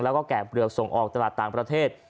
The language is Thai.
แล้วก็แกะเปลือกส่งออกตลาดต่างประเทศ